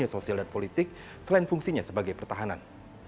yang artinya sosial dan politik selain fungsinya sebagai pertahanan